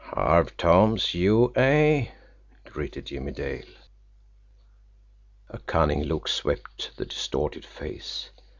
"Harve Thoms you, eh?" gritted Jimmie Dale. A cunning look swept the distorted face.